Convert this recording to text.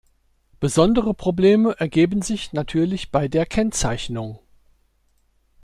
Besondere Probleme ergeben sich natürlich bei der Kennzeichnung.